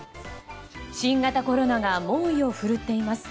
新型コロナが猛威を振るっています。